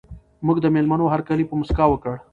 موږ د مېلمنو هرکلی په مسکا وکړ.